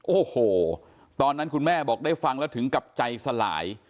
โอ้โหตอนนั้นคุณแม่บอกได้ฟังแล้วถึงกับใจสลาย